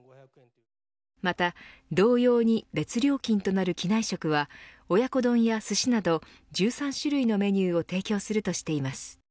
また同様に別料金となる機内食は親子丼や、すしなど１３種類のメニューを提供するとしています。